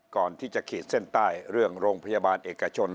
ก่อนที่จะขีดเส้นใต้เรื่องโรงพยาบาลเอกชน